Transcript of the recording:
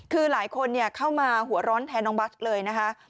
คือหลายคนเข้ามาหัวร้อนแทนน้องบัสเลยนะคะ